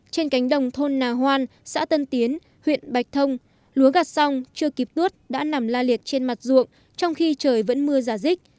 trên cánh đồng thôn nà hoan xã tân tiến huyện bạch thông lúa gặt xong chưa kịp tuốt đã nằm la liệt trên mặt ruộng trong khi trời vẫn mưa giả dích